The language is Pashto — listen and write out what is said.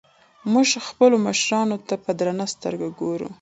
موږ خپلو مشرانو ته په درنه سترګه ګورو.